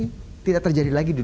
supaya paling tidak pembelahan ini